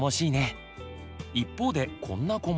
一方でこんな子も。